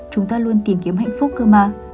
chúng ta luôn tìm kiếm hạnh phúc cơ mà